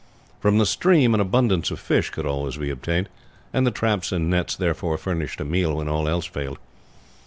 From the stream an abundance of fish could always be obtained, and the traps and nets therefore furnished a meal when all else failed.